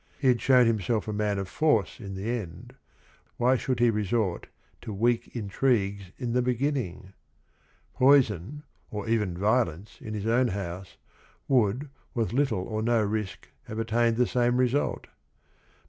He had shown himself a man of force in the end, why should he resort to "weak intrigues" in the beginning? Poison or even violence in his own house would with little or no risk have attained the same result. But.